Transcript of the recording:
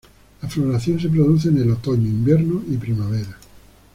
La floración se produce en el otoño, invierno y primavera.